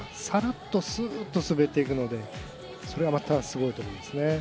サラッとスーッと滑っていくのでそれがまたすごいと思いますね。